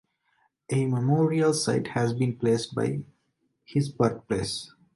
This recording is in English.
A memorial site has been placed by his birthplace.